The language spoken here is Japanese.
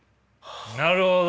なるほど。